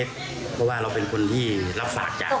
เพราะว่าเราเป็นคนที่รับฝากจาก